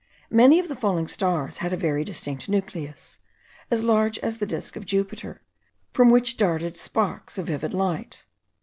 Many of the falling stars had a very distinct nucleus, as large as the disk of Jupiter, from which darted sparks of vivid light.